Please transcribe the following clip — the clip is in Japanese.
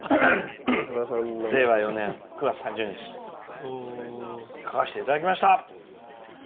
令和４年、９月３０日下手な字を書かせていただきました。